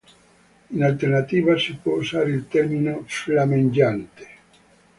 In alternativa, si può usare il termine "fiammeggiante".